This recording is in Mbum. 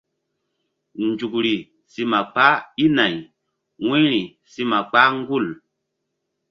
Nzukri si ma kpah i nay wu̧yri si ma kpah gul.